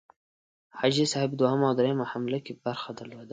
حاجي صاحب په دوهمه او دریمه حمله کې برخه درلوده.